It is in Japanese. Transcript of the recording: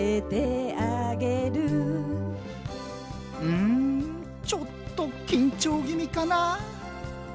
うんちょっと緊張ぎみかな？